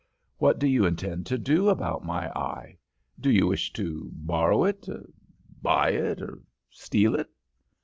'What do you intend to do about my eye? Do you wish to borrow it, buy it, or steal it?'